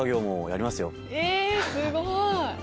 えすごい！